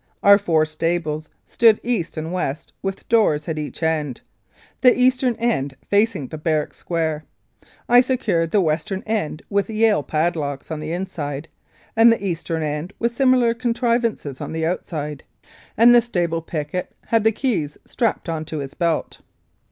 Our four stables stood east and west with doors at each end, the eastern end facing the barrack square. I secured the western end with Yale padlocks on the inside, and the eastern end with similar contriv ances on the outside, and the stable picket had the keys strapped on to his belt.